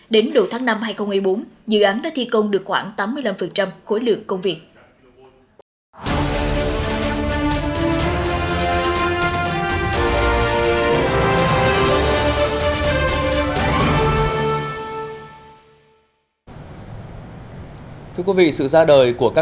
đến đầu tháng năm hai nghìn một mươi bốn dự án đã thi công được khoảng tám mươi năm khối lượng công việc